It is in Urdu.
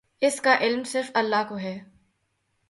اس کا علم صرف اللہ کو ہے۔